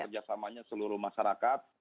kerjasamanya seluruh masyarakat